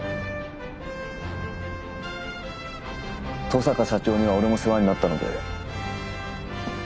登坂社長には俺も世話になったので。